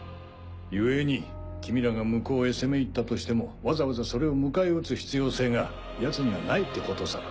ゆえに君らが向こうへ攻め入ったとしてもわざわざそれを迎え撃つ必要性がヤツにはないってことさ。